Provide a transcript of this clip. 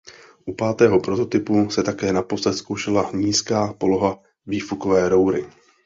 U pátého prototypu se také naposled zkoušela nízká poloha výfukové roury.